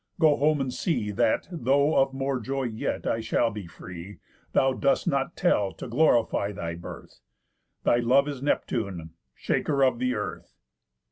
Go home, and see That, though of more joy yet I shall be free, Thou dost not tell, to glorify thy birth; Thy love is Neptune, shaker of the earth.